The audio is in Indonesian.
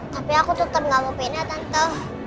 tapi aku tetap nggak mau pindah tante